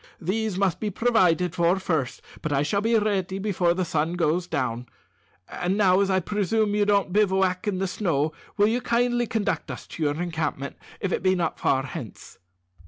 "These must be provided for first, but I shall be ready before the sun goes down. And now, as I presume you don't bivouac in the snow, will you kindly conduct us to your encampment, if it be not far hence?"